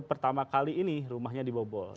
pertama kali ini rumahnya dibobol